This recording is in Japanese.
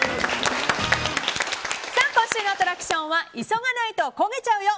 今週のアトラクションは急がないと焦げちゃうよ！